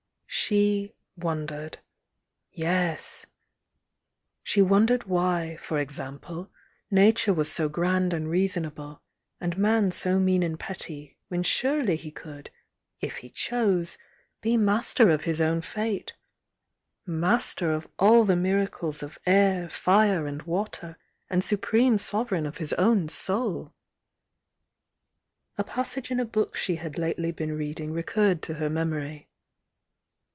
She "won dered —yes! — she wondered why, for example, Na ture was so grand and reasonable, and Man so mean and petty, when surely he could, if he chose, be master of his own fate, — master of all the miracles of air, fire and water, and supreme sovereign of his own soul! A passage in a book she had lately been reading recurred to her memory.